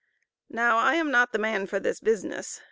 Now I am not the man for this business.